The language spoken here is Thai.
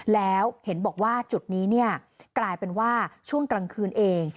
แล้วเห็นบอกว่าจุดนี้กลายเป็นว่าช่วงกลางคืนเอง